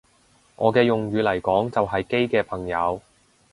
我嘅用語嚟講就係基嘅朋友